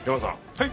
はい。